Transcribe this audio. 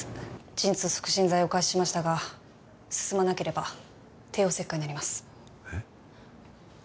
陣痛促進剤を開始しましたが進まなければ帝王切開になりますえっ？